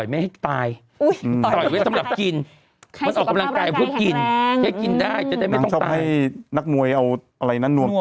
มีซิกแผ่กเป้ามายัง